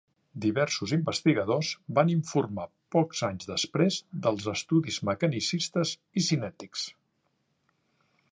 Diversos investigadors van informar pocs anys després dels estudis mecanicistes i cinètics.